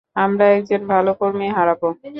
আমরা একজন ভালো কর্মী হারাবো।